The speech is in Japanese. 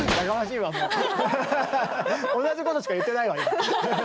同じことしか言ってないわ今。